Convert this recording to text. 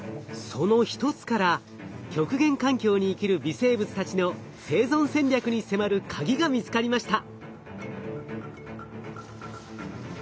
その一つから極限環境に生きる微生物たちの生存戦略に迫るカギが見つかりました。